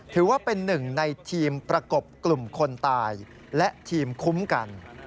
ถือว่าเป็นหนึ่งในทีมประกบกลุ่มคนตายและทีมคุ้มกัน